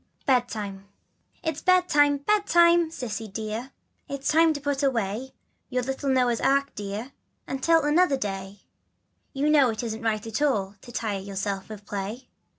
BEDTIME. /T'S bedtime, bedtime, Cissy dear, It's time to put away, Your little Noah's ark dear Until another day, You know it isn't right at all To tire yourself with play.